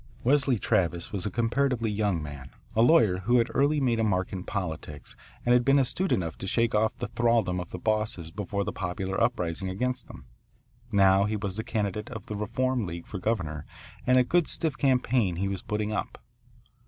Wesley Travis was a comparatively young man a lawyer who had early made a mark in politics and had been astute enough to shake off the thraldom of the bosses before the popular uprising against them. Now he was the candidate of the Reform League for governor and a good stiff campaign he was putting up.